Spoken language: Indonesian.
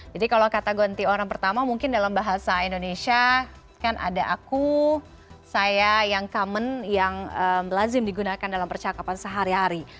jadi kalau kata ganti orang pertama mungkin dalam bahasa indonesia kan ada aku saya yang common yang lazim digunakan dalam percakapan sehari hari